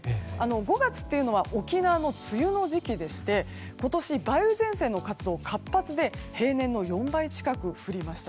５月というのは沖縄の梅雨の時期でして今年、梅雨前線の活動が活発で平年の４倍近く、降りました。